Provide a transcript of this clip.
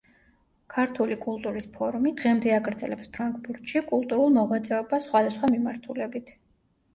ქართული კულტურის ფორუმი დღემდე აგრძელებს ფრანკფურტში კულტურულ მოღვაწეობას სხვადასხვა მიმართულებით.